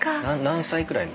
何歳くらい？